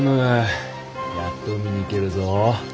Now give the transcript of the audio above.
やっと海に行けるぞ。